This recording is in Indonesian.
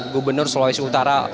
gubernur sulawesi utara